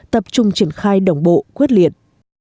tập trung triển khai đồng bộ quyết liệt